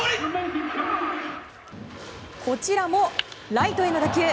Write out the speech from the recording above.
こちらもライトへの打球。